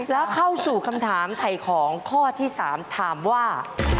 แล้วเข้าสู่คำถามไถ่ของข้อที่๓ถามว่า